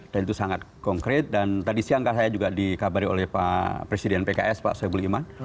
dan itu sangat konkret dan tadi siang kan saya juga dikabari oleh presiden pks pak soebul iman